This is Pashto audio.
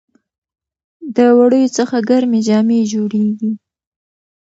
د وړیو څخه ګرمې جامې جوړیږي.